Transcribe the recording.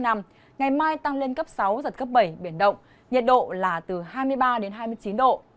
ngày mai tăng lên cấp sáu giật cấp bảy biển động nhiệt độ là từ hai mươi ba đến hai mươi chín độ